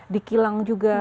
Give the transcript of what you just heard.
di kilang juga